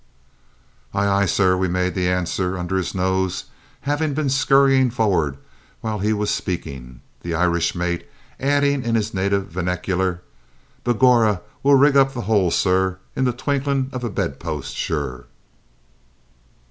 "Aye, aye, sir," we made answer, under his nose, having been scurrying forwards while he was speaking, the Irish mate adding in his native vernacular, "Begorrah, we'll rig up the whole, sir, in the twinkling of a bedpost, sure!"